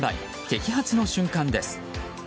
摘発の瞬間です。